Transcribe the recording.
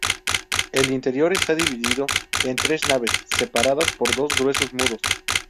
El interior está dividido en tres naves, separadas por dos gruesos muros.